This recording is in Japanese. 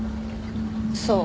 そう。